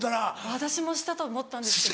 私もしたと思ったんですけど。